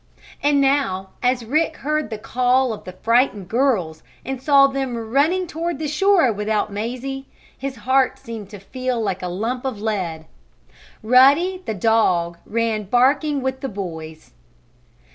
And now, as Rick heard the call of the frightened girls, and saw them running toward the shore without Mazie, his heart seemed to feel like a lump of lead. Ruddy, the dog, ran barking with the boys.